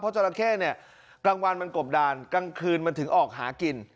จราเข้เนี่ยกลางวันมันกบดานกลางคืนมันถึงออกหากิน